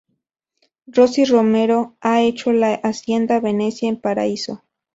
Rossy Romero ha hecho de la hacienda Venecia un paraíso.